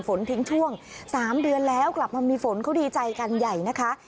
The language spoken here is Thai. ฝนทิ้งช่วง๓เดือนแล้วกลับมามีฝนเขาดีใจกันใหญ่นะคะ